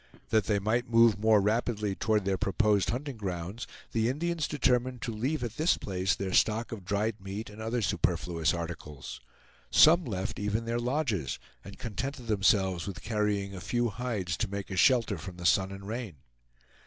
That they might move more rapidly toward their proposed hunting grounds, the Indians determined to leave at this place their stock of dried meat and other superfluous articles. Some left even their lodges, and contented themselves with carrying a few hides to make a shelter from the sun and rain.